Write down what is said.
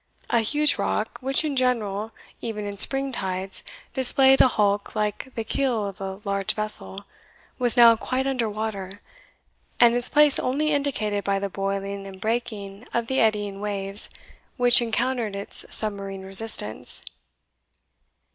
A huge rock, which in general, even in spring tides, displayed a hulk like the keel of a large vessel, was now quite under water, and its place only indicated by the boiling and breaking of the eddying waves which encountered its submarine resistance.